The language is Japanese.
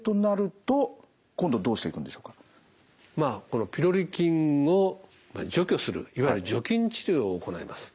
このピロリ菌を除去するいわゆる除菌治療を行います。